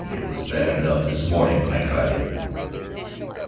It was bad enough this morning when I tried it."